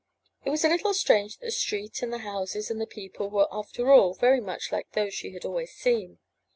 It was a little strange that the street and the houses and the people were after all very much like those she had always seen.